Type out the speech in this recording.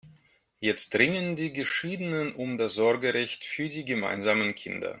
Jetzt ringen die Geschiedenen um das Sorgerecht für die gemeinsamen Kinder.